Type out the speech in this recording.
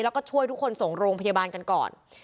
แล้วก็ช่วยทุกคนส่งโรงพยาบาลกันก่อน